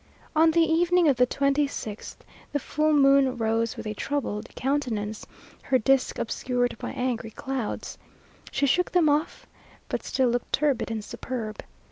On the evening of the twenty sixth the full moon rose with a troubled countenance, her disk obscured by angry clouds. She shook them off, but still looked turbid and superb.